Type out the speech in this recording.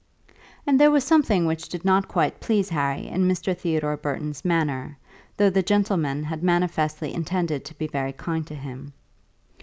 And there was something which did not quite please Harry in Mr. Theodore Burton's manner, though the gentleman had manifestly intended to be very kind to him.